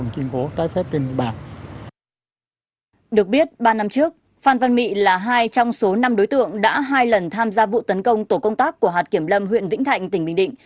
được biết ba năm trước phan văn mị là hai trong số năm đối tượng đã hai lần tham gia vụ tấn công tổ công tác của hạt kiểm lâm huyện vĩnh thạnh tỉnh bình định